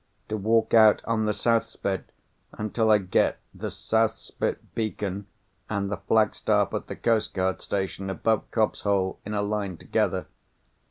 To walk out on the South Spit, until I get the South Spit Beacon, and the flagstaff at the Coast guard station above Cobb's Hole in a line together.